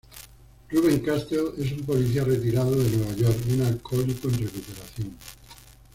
Ruben Castle es un policía retirado de Nueva York y un alcohólico en recuperación.